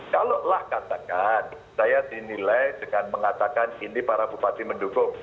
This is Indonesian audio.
kalaulah katakan saya dinilai dengan mengatakan ini para bupati mendukung